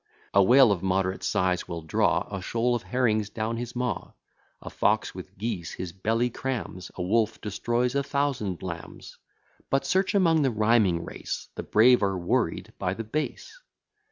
A whale of moderate size will draw A shoal of herrings down his maw; A fox with geese his belly crams; A wolf destroys a thousand lambs; But search among the rhyming race, The brave are worried by the base.